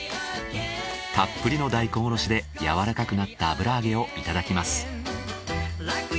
たっぷりの大根おろしでやわらかくなった油揚げをいただきます。